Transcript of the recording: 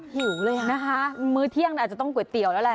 หิวเลยนะคะมื้อเที่ยงอาจจะต้องก๋วยเตี๋ยวแล้วแหละ